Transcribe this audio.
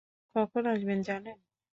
কখন আসবেন জানেন?